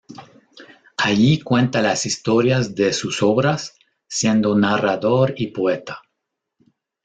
Allí cuenta las historias de sus obras, siendo narrador y poeta.